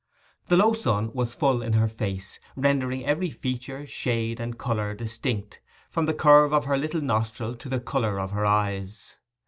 The low sun was full in her face, rendering every feature, shade, and contour distinct, from the curve of her little nostril to the colour of her eyes.